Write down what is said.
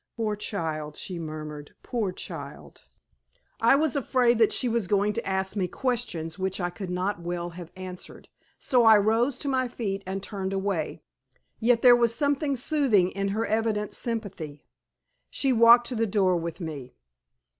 "Poor child!" she murmured, "poor child!" I was afraid that she was going to ask me questions which I could not well have answered, so I rose to my feet and turned away. Yet there was something soothing in her evident sympathy. She walked to the door with me.